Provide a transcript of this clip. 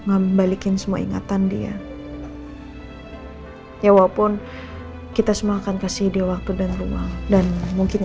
ngembalikan semua ingatan dia ya walaupun kita semua akan kasih di waktu dan rumah dan mungkin